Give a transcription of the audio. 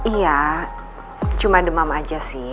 iya cuma demam aja sih